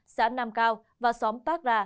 xã nam cao và xóm pát rà